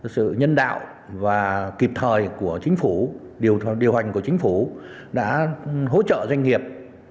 sự nhân đạo và kịp thời của chính phủ điều hành của chính phủ đã hỗ trợ doanh nghiệp